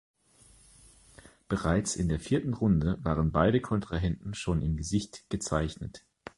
Bereits in der vierten Runde waren beide Kontrahenten schon im Gesicht gezeichnet.